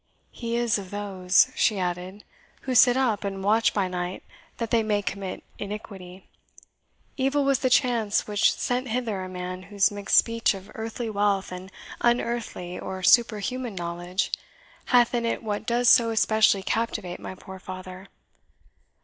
"He is of those," she added, "who sit up and watch by night that they may commit iniquity. Evil was the chance which sent hither a man whose mixed speech of earthly wealth and unearthly or superhuman knowledge hath in it what does so especially captivate my poor father.